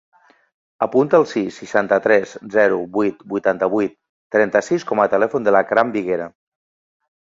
Apunta el sis, seixanta-tres, zero, vuit, vuitanta-vuit, trenta-sis com a telèfon de l'Akram Viguera.